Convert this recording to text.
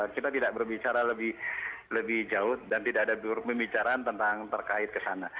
kita tidak berbicara lebih jauh dan tidak ada pembicaraan tentang terkait kesana